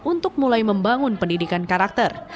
untuk mulai membangun pendidikan karakter